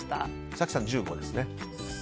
早紀さん、１５ですね。